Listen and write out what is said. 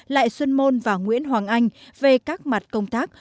lại xuân môn và nguyễn hoàng anh về các mặt công tác